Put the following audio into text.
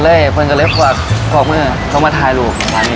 อ๋ออ่าแฟนคลับแบบเม่าสุด